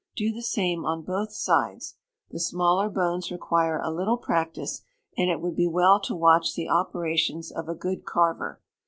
Do the same on both sides, The smaller bones require a little practice, and it would be well to watch the operations of a good carver.